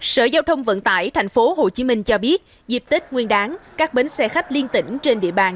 sở giao thông vận tải tp hcm cho biết dịp tết nguyên đáng các bến xe khách liên tỉnh trên địa bàn